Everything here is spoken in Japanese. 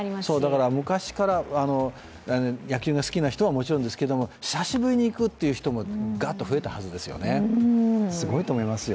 だから、昔から野球が好きな人はもちろんですけれども、久しぶりに行くという人もガッと増えたと思いますね、すごいと思いますよ。